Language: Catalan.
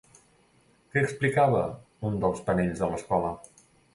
Què explicava un dels panells de l'escola?